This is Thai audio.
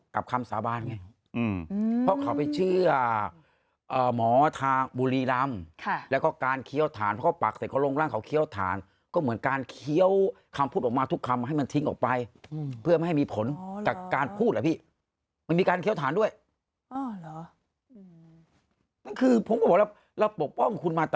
กับคอนโดเปิดแอร์ชำอะคุณพดดำจะเลือกอยู่ตรงไหน